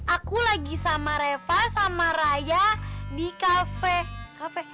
aku lagi sama reva sama raya di kafe kafe